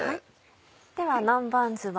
では南蛮酢は。